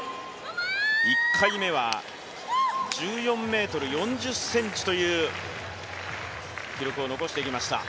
１回目は１４ｍ４０ｃｍという記録を残してきました。